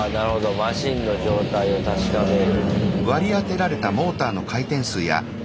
マシンの状態を確かめる。